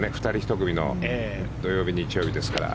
２人１組の土曜日、日曜日ですから。